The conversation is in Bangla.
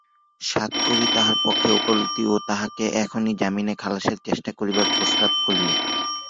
সাতকড়ি তাহার পক্ষে ওকালতি ও তাহাকে এখনই জামিনে খালাসের চেষ্টা করিবার প্রস্তাব করিল।